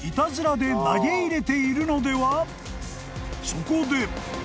［そこで］